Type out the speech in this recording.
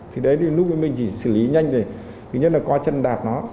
thì đấy thì nút bí mình chỉ xử lý nhanh để thứ nhất là coi chân đạt nó